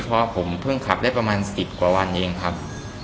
เพราะผมเพิ่งขับได้ประมาณ๑๐กว่าวันเองครับ